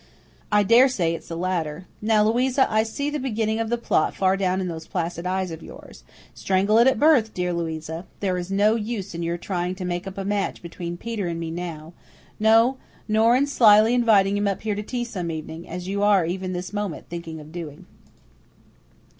I daresay it's the latter. Now, Louisa, I see the beginning of the plot far down in those placid eyes of yours. Strangle it at birth, dear Louisa. There is no use in your trying to make up a match between Peter and me now no, nor in slyly inviting him up here to tea some evening, as you are even this moment thinking of doing."